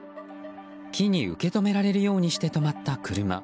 木に受け止められるようにして止まった車。